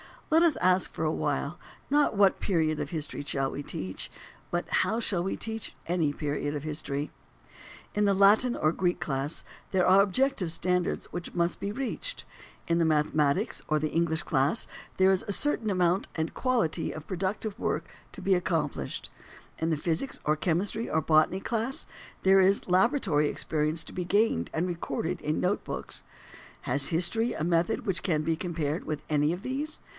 Let us ask for a while, not what period of history shall we teach? but, how shall we teach any period of history? In the Latin or Greek class there are objective standards which must be reached; in the mathematics or the English class there is a certain amount and quality of productive work to be accomplished; in the physics or chemistry or botany class there is laboratory experience to be gained and recorded in note books. Has history a method which can be compared with any of these?